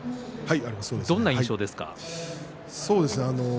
どんな印象ですか？